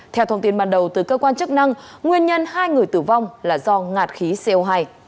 theo thông tin ban đầu từ cơ quan chức năng nguyên nhân hai người tử vong là do ngạt khí co hai